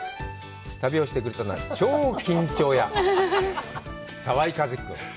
旅をしてくれたのは、超緊張屋、澤井一希君。